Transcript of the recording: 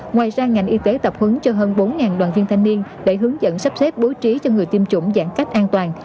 ngoài ra ngành y tế tập huấn cho hơn bốn đoàn viên thanh niên để hướng dẫn sắp xếp bố trí cho người tiêm chủng giãn cách an toàn